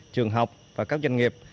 trường học và các doanh nghiệp